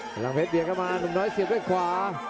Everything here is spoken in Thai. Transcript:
พลังเพชรเบียดเข้ามาหนุ่มน้อยเสียบด้วยขวา